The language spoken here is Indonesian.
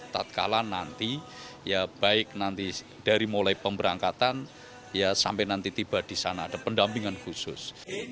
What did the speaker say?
tak kalah nanti ya baik nanti dari mulai pemberangkatan ya sampai nanti tiba di sana ada pendampingan khusus